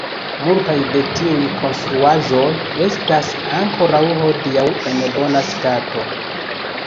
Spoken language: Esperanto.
Multaj de tiuj konstruaĵoj estas ankoraŭ hodiaŭ en bona stato.